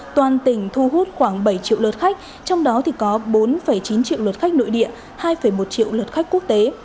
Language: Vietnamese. toàn tỉnh thu hút khoảng bảy triệu đột khách trong đó thì có bốn chín triệu đột khách nội địa hai một triệu đột khách quốc tế